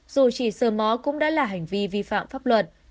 dù chỉ sơ mó cũng đã là hành vi vi phạm pháp luật